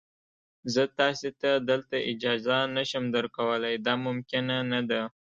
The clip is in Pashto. زه تاسي ته دلته اجازه نه شم درکولای، دا ممکنه نه ده.